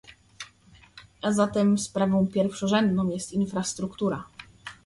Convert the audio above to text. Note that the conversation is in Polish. A zatem sprawą pierwszorzędną jest infrastruktura